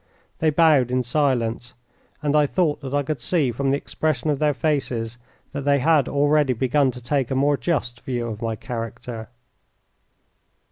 They bowed in silence, and I thought that I could see from the expression of their faces that they had already begun to take a more just view of my character.